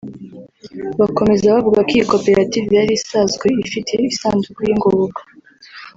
Bakomeza bavuga ko iyi koperative yari isazwe ifite isanduku y’ingoboka